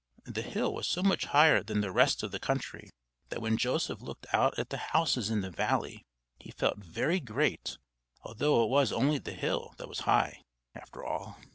] The hill was so much higher than the rest of the country that when Joseph looked out at the houses in the valley he felt very great, although it was only the hill that was high, after all.